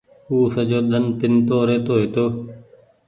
او سجو ۮن پينتو رهيتو هيتو۔